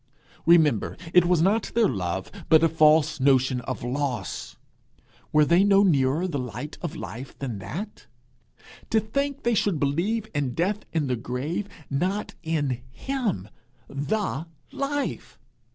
Remember, it was not their love, but a false notion of loss. Were they no nearer the light of life than that? To think they should believe in death and the grave, not in him, the Life!